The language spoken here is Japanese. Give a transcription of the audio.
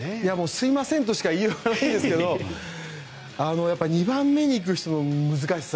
すみませんとかしかいいようがないですが２番目に行く人の難しさ。